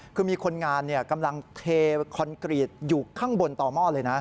คือมีคนงานกำลังเทคอนกรีตอยู่ข้างบนต่อหม้อเลยนะ